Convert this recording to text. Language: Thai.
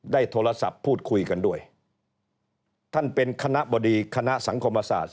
ได้โทรศัพท์พูดคุยกันด้วยท่านเป็นคณะบดีคณะสังคมศาสตร์